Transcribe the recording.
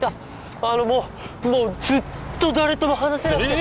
あのもうもうずっと誰とも話せなくてええ！